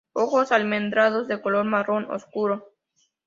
Ojos almendrados de color marrón oscuro.